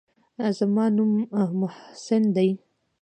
زما نوم محسن دى.